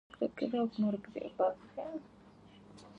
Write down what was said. دا کلا زړه ده خو قوي ده